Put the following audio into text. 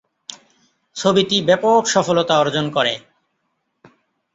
ছবিটি ব্যাপক সফলতা অর্জন করে।